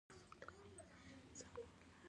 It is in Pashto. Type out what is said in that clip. ایا امیدواره یاست؟